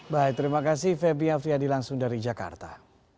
baik terima kasih femi afriadi langsung dari jakarta